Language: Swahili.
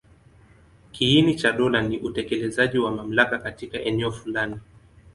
Kiini cha dola ni utekelezaji wa mamlaka katika eneo fulani.